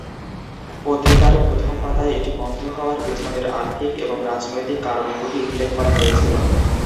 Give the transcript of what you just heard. পত্রিকার প্রথম পাতায় এটি বন্ধ হওয়ার পিছনের আর্থিক এবং রাজনৈতিক কারণগুলি উল্লেখ করা হয়েছিল।